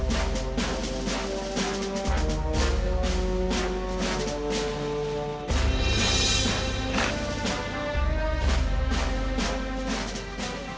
biasanya tidak ada apa apa